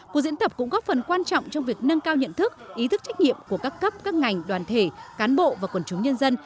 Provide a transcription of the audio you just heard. cuộc diễn tập cũng góp phần quan trọng trong việc nâng cao nhận thức ý thức trách nhiệm của các cấp các ngành đoàn thể cán bộ và quần chúng nhân dân